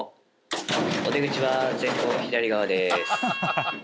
お出口は前方左側です。